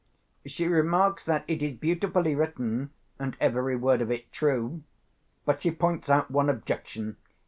She remarks that it is beautifully written, and every word of it true. But she points out one objection.